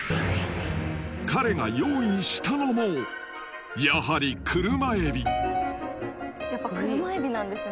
彼が用意したのもやはり車海老やっぱ車海老なんですね。